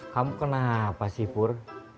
kamu kenapa sih pur